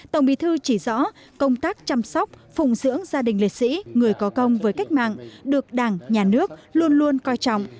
tổng bí thư chỉ rõ công tác chăm sóc phùng dưỡng gia đình liệt sĩ người có công với cách mạng được đảng nhà nước luôn luôn coi trọng